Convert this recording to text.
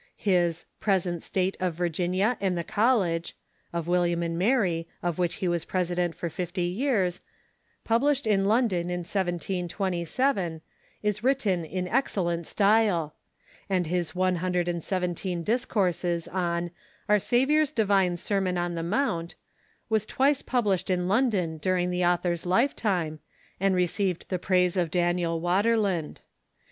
His "Present State of Virginia and the College" [of King William and Mary, of which he Avas president for fifty years], published in London in 1727, is written in excellent style; and his one hundred and seventeen discourses on " Our Saviour's Divine Sermon on the Mount" was twice published in London during the author's lifetime, and received the praise of Daniel Water land.